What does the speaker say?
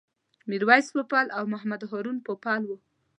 میرویس پوپل او محمد هارون پوپل و.